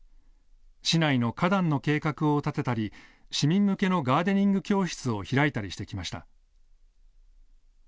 市内の花壇の計画を立てたり市民向けのガーデニング教室を開いたりしてきました。